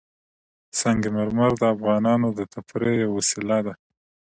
سنگ مرمر د افغانانو د تفریح یوه وسیله ده.